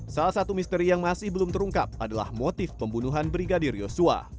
salah satu misteri yang masih belum terungkap adalah motif pembunuhan brigadir yosua